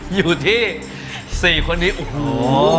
อยู่ที่๔คนนี้โอ้โห